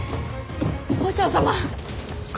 和尚様！